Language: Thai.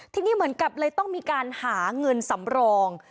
ทีนี้เหมือนกับเลยต้องมีการหาเงินสำรอง